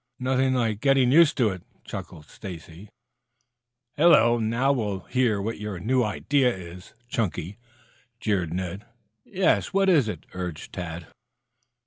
"Nothing like getting used to it," chuckled Stacy. "Hello, now we'll hear what your new idea is, Chunky?" jeered Ned. "Yes, what is it?" urged Tad.